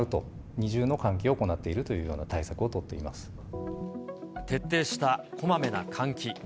二重の換気を行っているというよ徹底したこまめな換気。